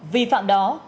vì phạm đó